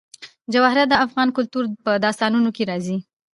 جواهرات د افغان کلتور په داستانونو کې راځي.